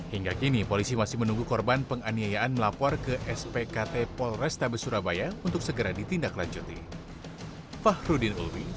hingga kini polisi masih menunggu korban penganiayaan melapor ke spkt polrestabes surabaya untuk segera ditindaklanjuti